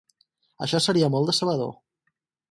Això seria molt decebedor.